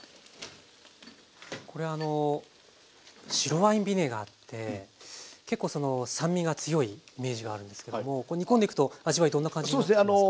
これあの白ワインビネガーって結構酸味が強いイメージがあるんですけども煮込んでいくと味わいどんな感じになっていくんですか？